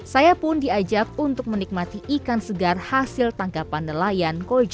saya pun diajak untuk menikmati ikan segar hasil tangkapan nelayan koja